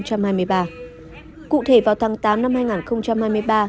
cụ thể vào tháng tám năm hai nghìn hai mươi ba